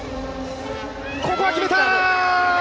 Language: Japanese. ここは決めた！